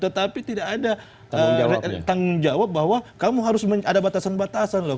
tetapi tidak ada tanggung jawab bahwa kamu harus ada batasan batasan loh